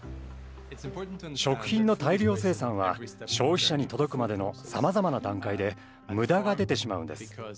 食品の大量生産は消費者に届くまでのさまざまな段階で無駄が出てしまうんです。